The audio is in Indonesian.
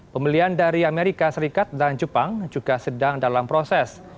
pembelian dari amerika serikat dan jepang juga sedang dalam proses